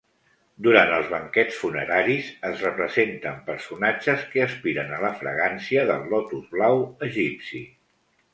Durant els banquets funeraris, es representen personatges que aspiren la fragància del lotus blau egipci.